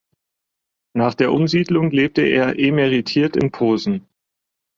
Nach der Umsiedlung lebte er emeritiert in Posen.